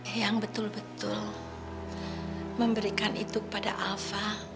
ayang betul betul memberikan itu kepada alva